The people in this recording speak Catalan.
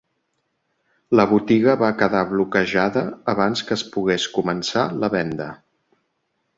La botiga va quedar bloquejada abans que es pogués començar la venda.